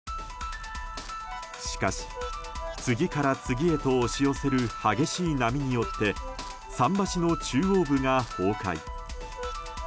しかし、次から次へと押し寄せる激しい波によって桟橋の中央部が崩壊。